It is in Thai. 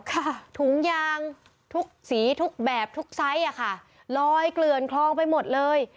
ถุงยางทุกสีทุกแบบทุกไซส์อ่ะค่ะลอยเกลื่อนคลองไปหมดเลย